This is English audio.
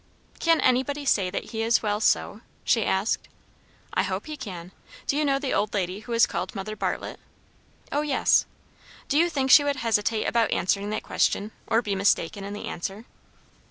"Can anybody say that he is well so?" she asked. "I hope he can. Do you know the old lady who is called Mother Bartlett?" "O yes." "Do you think she would hesitate about answering that question? or be mistaken in the answer?"